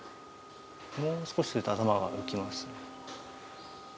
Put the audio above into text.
もう少しすると頭が浮きます。